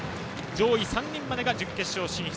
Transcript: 上位３人までが準決勝進出。